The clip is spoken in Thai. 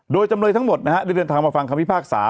โดยจำเลยทั้งหมดนะฮะได้เดินทางมาฟังคำพิพากษา